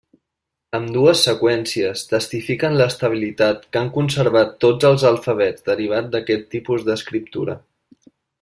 Ambdues seqüències testifiquen l'estabilitat que han conservat tots els alfabets derivats d'aquests tipus d'escriptura.